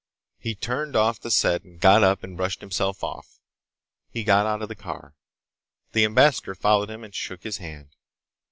He turned off the set and got up and brushed himself off. He got out of the car. The ambassador followed him and shook his hand.